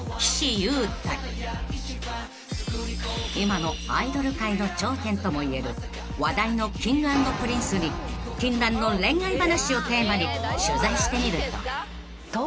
［今のアイドル界の頂点ともいえる話題のＫｉｎｇ＆Ｐｒｉｎｃｅに禁断の恋愛話をテーマに取材してみると］